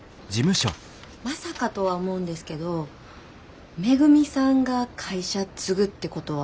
まさかとは思うんですけどめぐみさんが会社継ぐってことは。